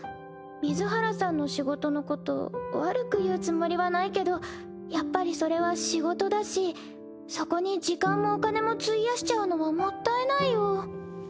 水原さんの仕事のこと悪く言うつもりはないけどやっぱりそれは仕事だしそこに時間もお金も費やしちゃうのはもったいないよ。